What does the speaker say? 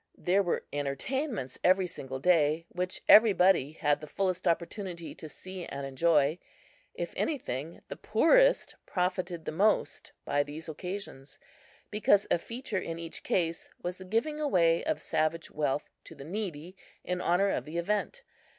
There were entertainments every single day, which everybody had the fullest opportunity to see and enjoy. If anything, the poorest profited the most by these occasions, because a feature in each case was the giving away of savage wealth to the needy in honor of the event.